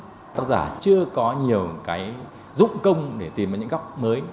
tác giả chưa có nhiều cái dụng công để tìm ra những góc mới